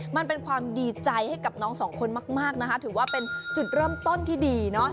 มันเป็นความดีใจให้กับน้องสองคนมากนะคะถือว่าเป็นจุดเริ่มต้นที่ดีเนอะ